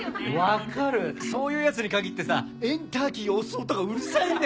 分かるそういうヤツに限ってさエンターキー押す音がうるさいんだよね！